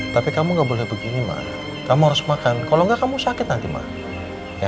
tapi kamu nggak boleh begini ma kamu harus makan kalau enggak kamu sakit nanti ma